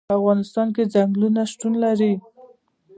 په افغانستان کې ځنګلونه شتون لري.